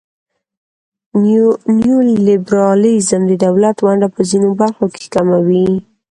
نیولیبرالیزم د دولت ونډه په ځینو برخو کې کموي.